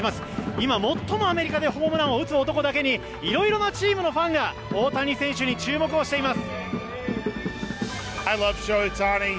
今、最もアメリカでホームランを打つ男だけにいろいろなチームのファンが大谷選手に注目をしています。